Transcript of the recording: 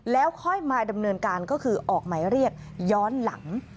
แล้วค่อยมาดำเนินการก็คือออกหมายเรียกย้อนหลัง